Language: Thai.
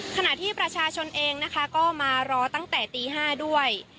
ขณะที่ประชาชนเองนะคะก็มารอตั้งแต่ตี๕ด้วย